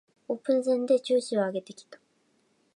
オープン戦で調子を上げてきた